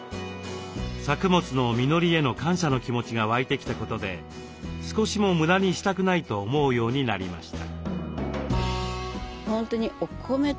作物の実りへの感謝の気持ちが湧いてきたことで少しも無駄にしたくないと思うようになりました。